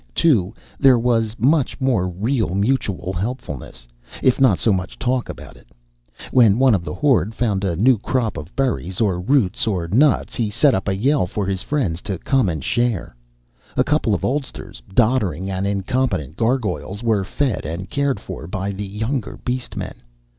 Too, there was much more real mutual helpfulness, if not so much talk about it. When one of the horde found a new crop of berries or roots or nuts, he set up a yell for his friends to come and share. A couple of oldsters, doddering and incompetent gargoyles, were fed and cared for by the younger beast men.